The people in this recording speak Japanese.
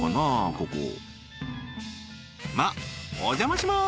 ここまっお邪魔します！